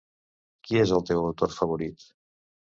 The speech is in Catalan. Qui és el teu autor favorit?